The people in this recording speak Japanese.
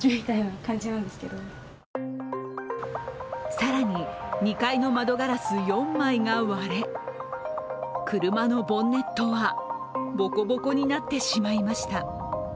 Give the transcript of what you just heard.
更に２階の窓ガラス４枚が割れ、車のボンネットはボコボコになってしまいました。